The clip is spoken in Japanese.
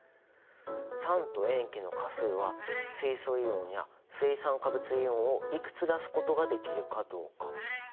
酸と塩基の価数は水素イオンや水酸化物イオンをいくつ出すことができるかどうか。